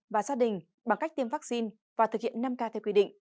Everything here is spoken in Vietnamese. và gia đình bằng cách tiêm vaccine và thực hiện năm k theo quy định